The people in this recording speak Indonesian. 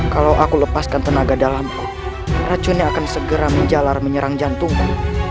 kalau aku lepaskan tenaga dalamku racunnya akan segera menjalar menyerang jantungku